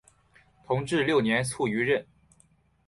同治六年卒于任。